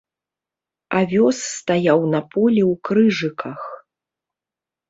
Авёс стаяў на полі ў крыжыках.